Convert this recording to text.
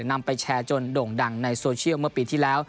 นำไปแชร์จนโด่งดังในโซเชียลเมื่อปีที่แล้ว